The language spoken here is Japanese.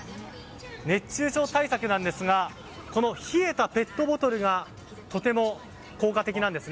熱中症対策なんですが冷えたペットボトルがとても効果的なんです。